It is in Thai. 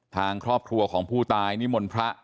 ทางครอบครัวของผู้ตายนิมนต์พระ